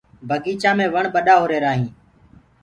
بگيچآ مي وڻ ٻڏآ هو رهيرآ هينٚ۔